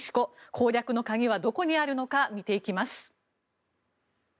攻略の鍵はどこにあるのか見ていきます。